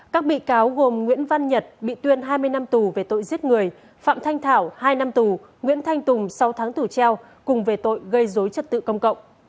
các bị cáo gồm nguyễn văn nhật bị tuyên hai mươi năm tù về tội giết người phạm thanh thảo hai năm tù nguyễn thanh tùng sáu tháng tù treo cùng về tội gây dối trật tự công cộng